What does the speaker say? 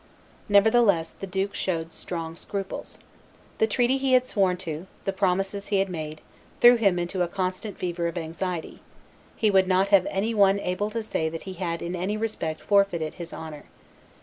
Nevertheless, the duke showed strong scruples. The treaties he had sworn to, the promises he had made, threw him into a constant fever of anxiety; he would not have any one able to say that he had in any respect forfeited his honor.